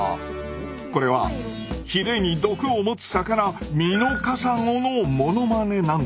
これはヒレに毒をもつ魚ミノカサゴのものまねなんです。